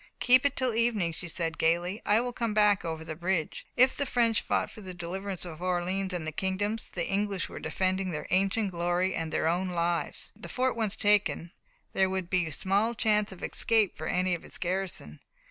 "Keep it till evening," she said, gaily, "I will come back over the bridge." If the French fought for the deliverance of Orleans and the kingdom, the English were defending their ancient glory and their own lives; the fort once taken, there would be small chance of escape for any of its garrison.